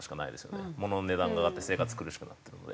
物の値段が上がって生活苦しくなってるので。